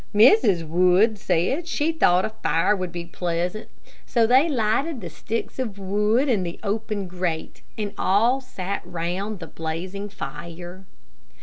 Mrs. Wood said that she thought a fire would be pleasant; so they lighted the sticks of wood in the open grate, and all sat round the blazing fire.